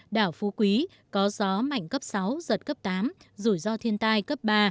đảo phú quý có gió mạnh cấp sáu giật cấp tám rủi ro thiên tai cấp ba